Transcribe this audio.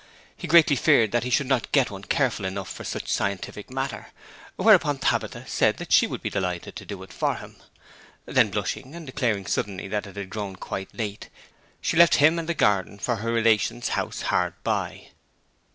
He greatly feared he should not get one careful enough for such scientific matter; whereupon Tabitha said she would be delighted to do it for him. Then blushing, and declaring suddenly that it had grown quite late, she left him and the garden for her relation's house hard by.